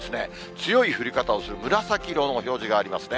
強い降り方をする紫色の表示がありますね。